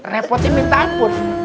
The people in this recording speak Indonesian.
repotnya minta ampun